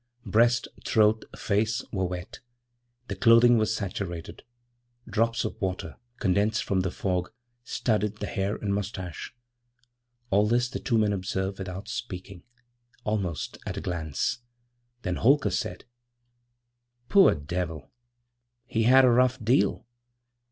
Breast, throat, face, were wet; the clothing was saturated; drops of water, condensed from the fog, studded the hair and moustache. All this the two men observed without speaking almost at a glance. Then Holker said: 'Poor devil! he had a rough deal.'